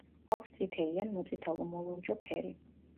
აქვს წითელი ან მოწითალო–მოლურჯო ფერი.